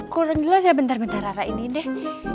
kurang jelas ya bentar bentar rara ini deh